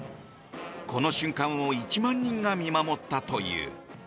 この瞬間を１万人が見守ったという。